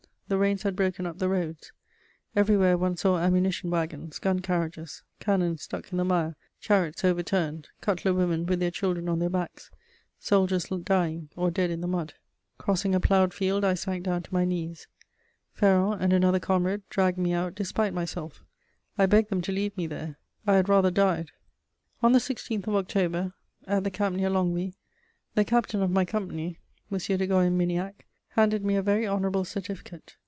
The rains had broken up the roads; everywhere one saw ammunition wagons, gun carriages, cannon stuck in the mire, chariots overturned, cutler women with their children on their backs, soldiers dying or dead in the mud. Crossing a ploughed field, I sank down to my knees; Ferron and another comrade dragged me out despite myself: I begged them to leave me there; I had rather died. On the 16th of October, at the camp near Longwy, the captain of my company, M. de Goyon Miniac, handed me a very honourable certificate.